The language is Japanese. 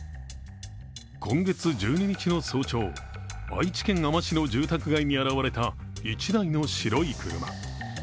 今月１２日の早朝、愛知県あま市の住宅街に現れた１台の白い車。